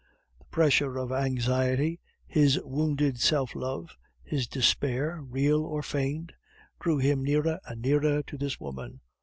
The pressure of anxiety, his wounded self love, his despair, real or feigned, drew him nearer and nearer to this woman.